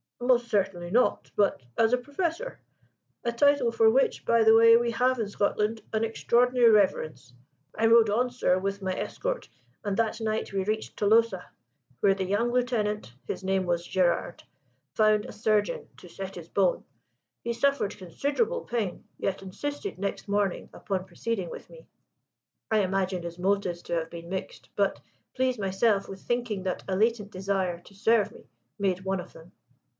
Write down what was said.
"Most certainly not, but as a Professor a title for which, by the way, we have in Scotland an extraordinary reverence. I rode on, sir, with my escort, and that night we reached Tolosa, where the young Lieutenant his name was Gerard found a surgeon to set his bone. He suffered considerable pain, yet insisted next morning upon proceeding with me. I imagine his motives to have been mixed; but please myself with thinking that a latent desire to serve me made one of them.